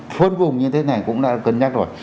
phân vùng như thế này cũng đã cân nhắc rồi